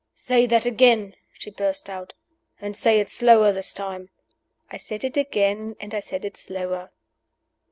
"Say that again," she burst out. "And say it slower this time." I said it again, and I said it slower.